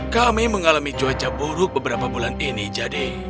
kami mengalami cuaca buruk beberapa bulan ini jade